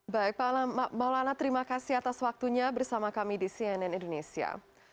baik pak maulana terima kasih atas waktunya bersama kami di cnn indonesia